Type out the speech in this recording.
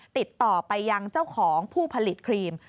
ติดต่อไปยังเจ้าของผู้ผลิตครีม